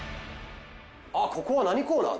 あっここは何コーナーだ？